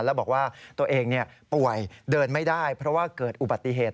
แล้วบอกว่าตัวเองป่วยเดินไม่ได้เพราะว่าเกิดอุบัติเหตุ